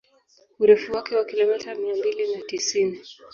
Urefu wake wa kilomita mia mbili na tisini